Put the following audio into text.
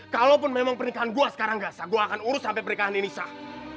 kalaupun memang pernikahan gue sekarang gak sah gue akan urus sampai pernikahan ini sah